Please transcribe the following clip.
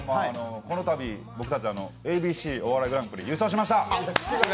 この度、僕たち「ＡＢＣお笑いグランプリ」優勝しました。